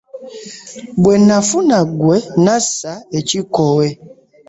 Bwe nafuna ggwe nassa ekikkoowe.